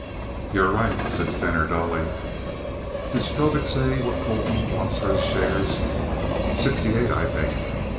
"You're right," said Stener, dully. "Did Strobik say what Colton wants for his shares?" "Sixty eight, I think."